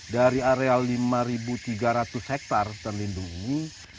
dari area lima ribu tiga ratus hektar terlindung ini